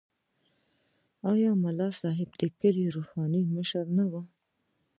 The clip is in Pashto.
آیا ملا صاحب د کلي روحاني مشر نه وي؟